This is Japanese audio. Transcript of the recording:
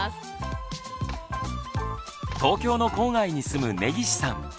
東京の郊外に住む根岸さん。